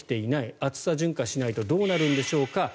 暑さ順化しないとどうなるんでしょうか。